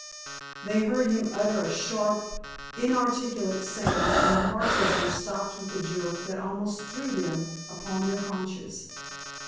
They heard him utter a sharp, inarticulate sound, and the horses were stopped with a jerk that almost threw them upon their haunches.